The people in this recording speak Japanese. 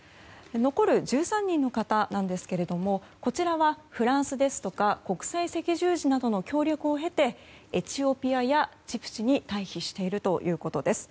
残る１３人の方なんですがこちらは、フランスですとか国際赤十字などの協力を得てエチオピアやジブチに退避しているということです。